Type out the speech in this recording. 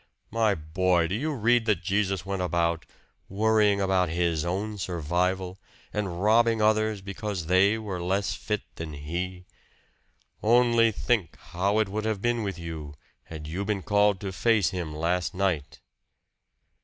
My boy, do you read that Jesus went about, worrying about His own survival, and robbing others because they were less fit than He? Only think how it would have been with you had you been called to face Him last night?"